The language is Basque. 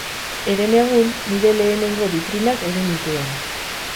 Herenegun, nire lehenengo bitrinak egin nituen